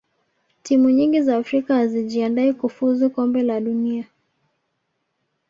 timu nyingi za afrika hazijiandai kufuzu kombe la dunia